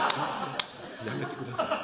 やめてください